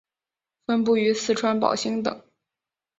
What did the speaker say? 分布于四川宝兴等。